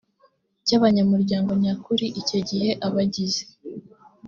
cy abanyamuryango nyakuri icyo gihe abagize